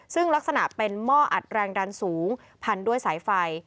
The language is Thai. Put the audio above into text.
ซึ่งลักษณะเป็นหม้ออัดแรงดันสูงพันด้วยสายไฟ